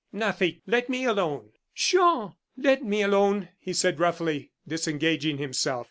"Nothing! let me alone." "Jean!" "Let me alone," he said, roughly, disengaging himself.